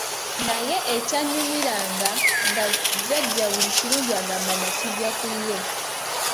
Naye ekyannyumiranga nga jjajja buli kirungi agamba nakiggya ku ye.